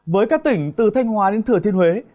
với các tỉnh từ thanh hóa đến thừa thiên huế